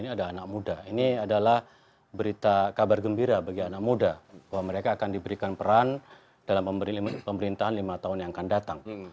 ini ada anak muda ini adalah berita kabar gembira bagi anak muda bahwa mereka akan diberikan peran dalam pemerintahan lima tahun yang akan datang